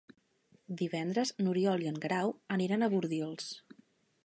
Divendres n'Oriol i en Guerau aniran a Bordils.